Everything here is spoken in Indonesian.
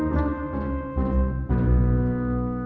ntar gue pindah ke pangkalan